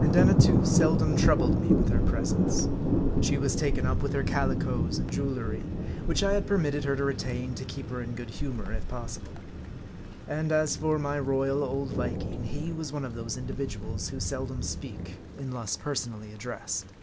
And Annatoo seldom troubled me with her presence. She was taken up with her calicoes and jewelry ; which I had permitted her to retain, to keep her in good humor if possible. And as for my royal old Viking, he was one of those individuals who seldom speak, unless personally addressed.